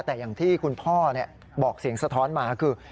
แต่อย่างที่คุณพ่อบอกเสียงสะท้อนมาคือ